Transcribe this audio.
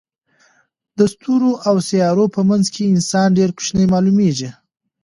د ستورو او سیارو په منځ کې انسان ډېر کوچنی معلومېږي.